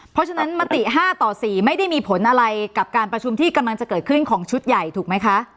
เพราะฉะนั้นมติ๕ต่อ๔ไม่ได้มีผลอะไรกับการประชุมที่กำลังจะเกิดขึ้นของชุดใหญ่ถูกไหมคะ